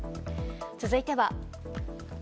続いては。